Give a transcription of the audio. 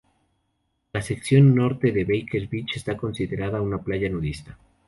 La sección norte de Baker Beach está considerada una playa nudista.